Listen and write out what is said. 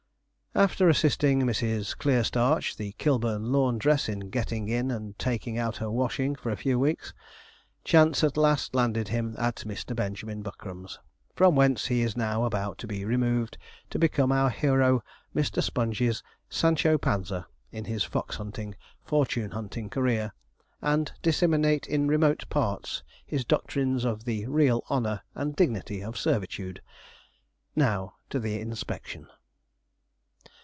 After assisting Mrs. Clearstarch, the Kilburn laundress, in getting in and taking out her washing, for a few weeks, chance at last landed him at Mr. Benjamin Buckram's, from whence he is now about to be removed to become our hero Mr. Sponge's Sancho Panza, in his fox hunting, fortune hunting career, and disseminate in remote parts his doctrines of the real honour and dignity of servitude. Now to the inspection.